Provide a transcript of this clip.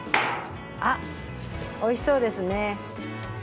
あっおいしそうですね。